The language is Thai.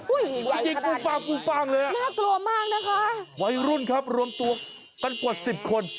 อุ้ยอย่าอยู่ขนาดนั้นไงน่ากลัวมากนะคะวัยรุ่นครับรวมตัวกันกว่า๑๐คน